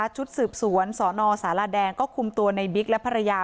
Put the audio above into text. ชุดสืบสวนสนสารแดงก็คุมตัวในบิ๊กและภรรยา